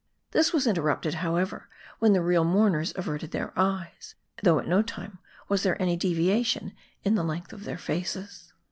This was interrupted, however, when the real mourners averted their eyes ; though at no time was there any deviation in the length of their faces.